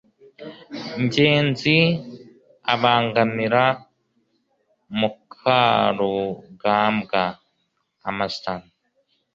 ngenzi abangamira mukarugambwa (amastan